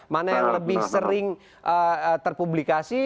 mana yang lebih sering terpublikasi